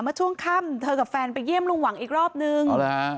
เมื่อช่วงค่ำเธอกับแฟนไปเยี่ยมลุงหวังอีกรอบนึง